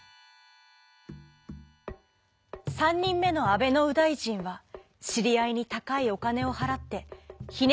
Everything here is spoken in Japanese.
３にんめのあべのうだいじんはしりあいにたかいおかねをはらってひね